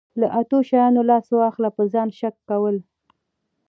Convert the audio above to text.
له اتو شیانو لاس واخله په ځان شک کول.